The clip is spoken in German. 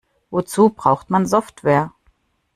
Wozu braucht man Software?